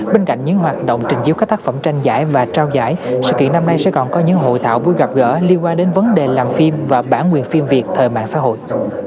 bên cạnh những hoạt động trình chiếu các tác phẩm tranh giải và trao giải sự kiện năm nay sẽ còn có những hội thảo buổi gặp gỡ liên quan đến vấn đề làm phim và bản nguyệt phim việt thời mạng xã hội